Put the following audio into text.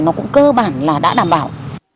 nó cũng cơ bản là đã đảm bảo